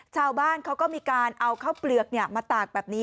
ชาวบ้านเขาก็มีการเอาข้าวเปลือกมาตากแบบนี้